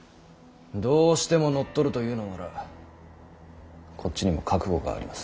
どうしても乗っ取るというのならこっちにも覚悟があります。